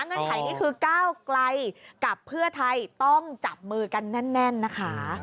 ไขนี่คือก้าวไกลกับเพื่อไทยต้องจับมือกันแน่นนะคะ